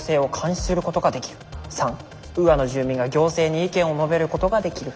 ３ウーアの住民が行政に意見を述べることができる。